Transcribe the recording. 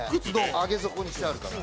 上げ底にしてあるから。